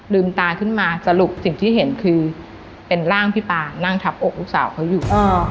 ตาขึ้นมาสรุปสิ่งที่เห็นคือเป็นร่างพี่ปานั่งทับอกลูกสาวเขาอยู่